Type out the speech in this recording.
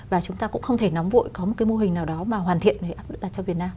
và chúng ta cũng không thể nóng vội có một cái mô hình nào đó mà hoàn thiện áp đặt cho việt nam